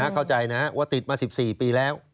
เข้าใจนะว่าติดมา๑๔ปีแล้ว